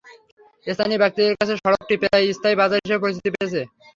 স্থানীয় ব্যক্তিদের কাছে সড়কটি প্রায় স্থায়ী বাজার হিসেবে পরিচিতি পেয়ে গেছে।